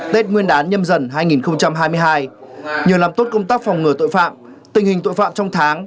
tết nguyên đán nhâm dần hai nghìn hai mươi hai nhờ làm tốt công tác phòng ngừa tội phạm tình hình tội phạm trong tháng